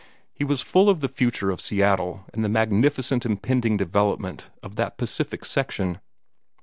He was full of the future of Seattle and the magnificent impending development of that Pacific section.